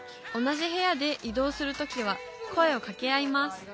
同じ部屋で移動する時は声をかけ合います